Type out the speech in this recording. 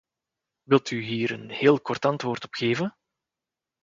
Wilt u hier een heel kort antwoord op geven?